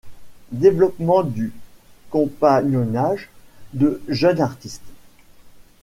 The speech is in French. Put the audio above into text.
Développement du compagnonnage de jeunes artistes.